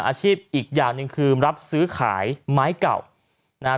อาชีพอีกอย่างหนึ่งคือรับซื้อขายไม้เก่านะฮะ